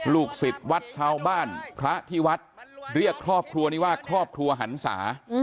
ลูกศิษย์วัดชาวบ้านพระที่วัดเรียกครอบครัวนี้ว่าครอบครัวหันศา